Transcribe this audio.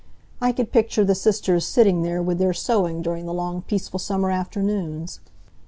I could picture the sisters sitting there with their sewing during the long, peaceful summer afternoons.